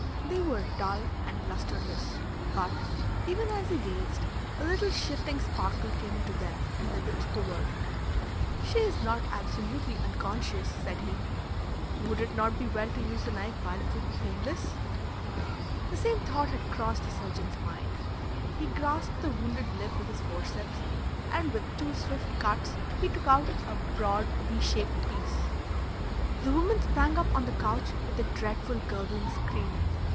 They were dull and lustreless, but, even as he gazed, a little shifting sparkle came into them, and the lips quivered. "She is not absolutely unconscious," said he. "Would it not be well to use the knife while it would be painless?" The same thought had crossed the surgeon's mind. He grasped the wounded lip with his forceps, and with two swift cuts he took out a broad V shaped piece. The woman sprang up on the couch with a dreadful gurgling scream.